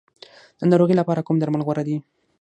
د ناروغۍ لپاره کوم درمل غوره دي؟